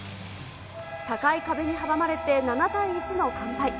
高い壁に阻まれて７対１の完敗。